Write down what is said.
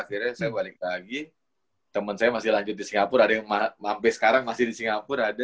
akhirnya saya balik lagi teman saya masih lanjut di singapura ada yang sampai sekarang masih di singapura ada